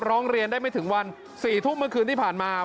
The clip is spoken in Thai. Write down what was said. ร้องเรียนได้ไม่ถึงวัน๔ทุ่มเมื่อคืนที่ผ่านมา